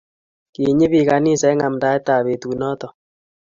Kinyi biik kanisa eng amdaet ab betut noto